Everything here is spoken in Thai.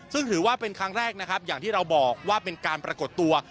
ซึ่งถือว่าเป็นครั้งแรกนะครับอย่างที่เราบอกว่าเป็นการปรากฏตัว